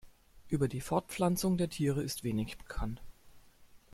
Über die Fortpflanzung der Tiere ist wenig bekannt.